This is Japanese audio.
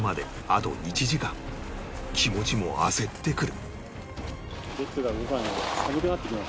気持ちも焦ってくる